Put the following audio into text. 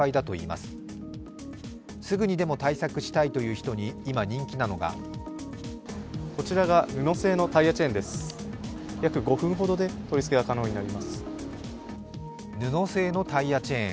すぐにでも対策したいという人に今人気なのが布製のタイヤチェーン。